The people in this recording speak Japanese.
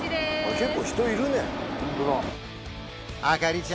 結構人いるね